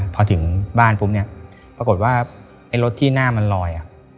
พอถึงบ้านปุ๊บเนี่ยปรากฏว่าไอ้รถที่หน้ามันลอย